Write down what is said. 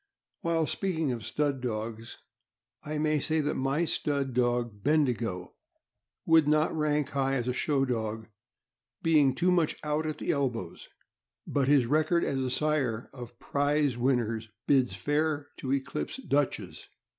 While speaking of stud dogs, 1 may say that my stud, dog Bendigo would not rank high as a show dog, being too much out at elbows, but his record as a sire of prize win ners bids fair to eclipse Dutch's.